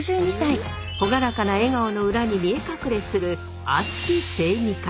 朗らかな笑顔の裏に見え隠れする熱き正義感。